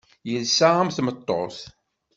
Yelsa am tmeṭṭut.